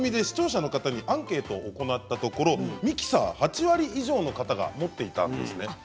視聴者の方にアンケートを行ったところミキサーは８割以上の方は持っていたんですね。